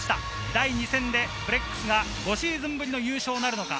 第２戦でブレックスが５シーズンぶりの優勝なるのか。